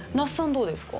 どうですか？